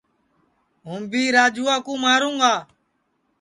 ہوں بھی راجوا کُو ماروں گا